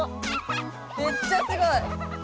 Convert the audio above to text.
めっちゃすごい。